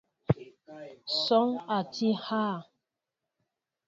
Sɔɔŋ a tí hà ?